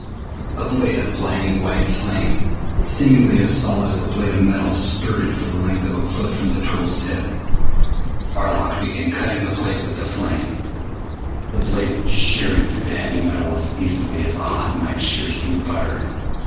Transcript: A blade of blinding white flame, seemingly as solid as a blade of metal, spurted for the length of a foot from the tool's tip. Arlok began cutting the plate with the flame, the blade shearing through the heavy metal as easily as a hot knife shears through butter.